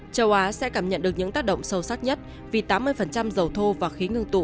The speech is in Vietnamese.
châu á sẽ cảm nhận được những tác động sâu sắc nhất vì tám mươi dầu thô và khí ngưng tụ